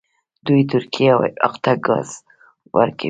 دوی ترکیې او عراق ته ګاز ورکوي.